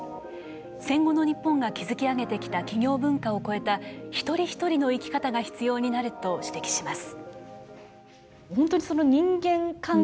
戦後の日本が築き上げてきた企業文化を超えた一人一人の生き方が必要になると指摘します。